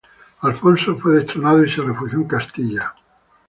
Alfonso fue destronado y se refugió en Castilla.